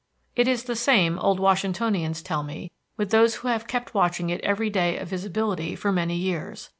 It is the same, old Washingtonians tell me, with those who have kept watching it every day of visibility for many years.